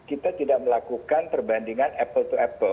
jadi kita tidak melakukan perbandingan apple to apple